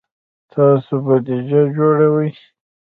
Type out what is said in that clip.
تاسو بودیجه جوړوئ؟